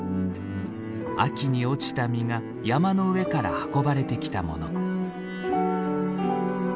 秋に落ちた実が山の上から運ばれてきたもの。